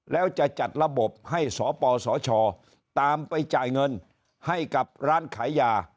แล้วจะจัดระบบให้สปสชตามไปจ่ายเงินให้กับร้านขายยา